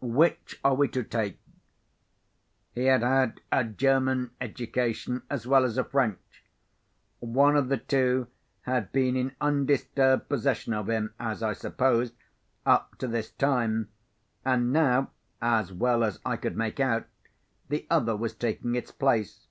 Which are we to take?" He had had a German education as well as a French. One of the two had been in undisturbed possession of him (as I supposed) up to this time. And now (as well as I could make out) the other was taking its place.